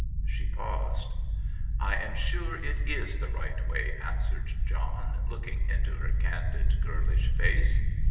She paused. "I am sure it is the right way," answered John, looking into her candid, girlish face.